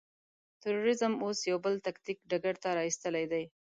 تروريزم اوس يو بل تاکتيک ډګر ته را اېستلی دی.